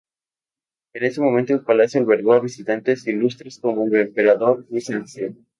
En ese momento el palacio albergó a visitantes ilustres, como el emperador de Bizancio.